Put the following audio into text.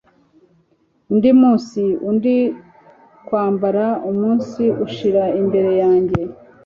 undi munsi, undi kwambara umunsi ushira imbere yanjye